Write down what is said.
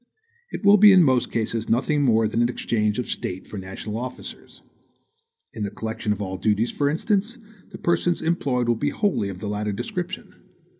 It will be in most cases nothing more than an exchange of State for national officers. In the collection of all duties, for instance, the persons employed will be wholly of the latter description.